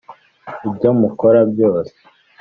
ibyo mukora byose.